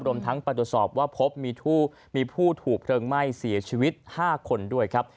รวมทั้งไปตรวจสอบว่าพบมีผู้ถูกเพลิงไหม้เสียชีวิต๕คนด้วยครับ